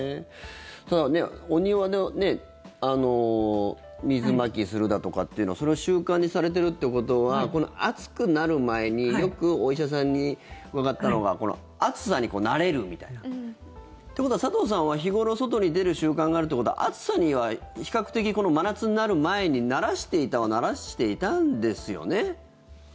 ただ、お庭の水まきするだとかっていうのはそれを習慣にされているということは暑くなる前によくお医者さんに伺ったのが暑さに慣れるみたいな。ということは佐藤さんは日頃、外に出る習慣があるということは暑さには比較的この真夏になる前に慣らしていたは慣らしていたんですよね？